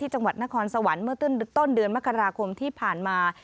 จังหวัดนครสวรรค์เมื่อต้นเดือนมกราคมที่ผ่านมา